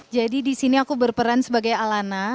jadi di sini aku berperan sebagai alana